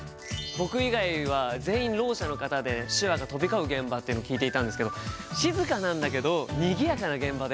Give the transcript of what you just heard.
僕以外は全員ろう者の方で手話が飛び交う現場というのを聞いていたんですけど静かなんだけどにぎやかな現場だよって。